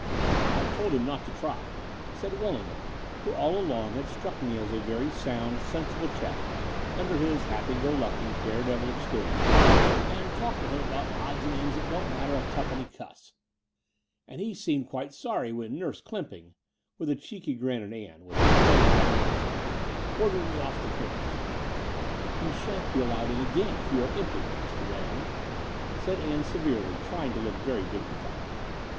"I told him not to try," said Wellingham, who all along had struck me as a very sound, sensible chap under his happy go lucky, dare devil ex terior, "and talked to him about odds and ends that didn't matter a tuppenny cuss : and he seemed The Dower House 275 quite sorry when Nurse Clsmctping "— ^with a cheeky grin at Ann, which restored the balance of things — "ordered me off the course." "You shan't be allowed in again, if you are im pudent, Mr. Wellingham," said Ann severely, trjring to look very dignified.